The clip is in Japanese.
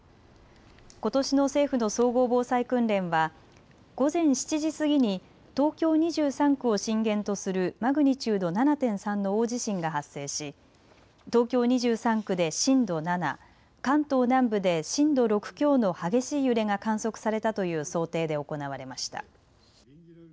ことしの政府の総合防災訓練は午前７時過ぎに東京２３区を震源とするマグニチュード７．３の大地震が発生し東京２３区で震度７、関東南部で震度６強の激しい揺れが観測されたという想定で行われました。